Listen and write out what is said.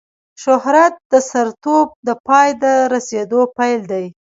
شهرت د سترتوب د پای ته رسېدلو پیل دی.